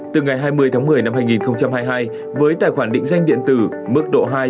từ ngày hai mươi tháng một mươi năm hai nghìn hai mươi hai với tài khoản định danh điện tử mức độ hai